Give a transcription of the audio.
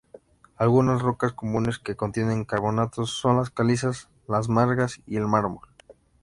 Algunas rocas comunes que contienen carbonatos son las calizas, las margas y el mármol.